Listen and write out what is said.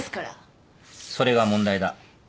それが問題だ。